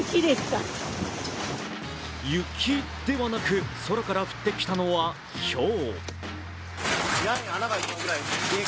雪ではなく、空から降ってきたのはひょう。